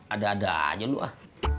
ada ada aja dulu ah